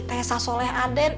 tesa soleh aden